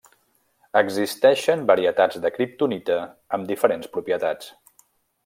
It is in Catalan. Existeixen varietats de kriptonita amb diferents propietats.